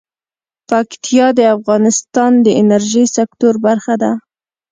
پکتیا د افغانستان د انرژۍ سکتور برخه ده.